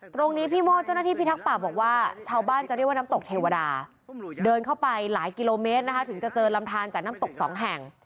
พี่โมดเจ้าหน้าที่พิทักษ์ป่าบอกว่าชาวบ้านจะเรียกว่าน้ำตกเทวดาเดินเข้าไปหลายกิโลเมตรนะคะถึงจะเจอลำทานจากน้ำตกสองแห่ง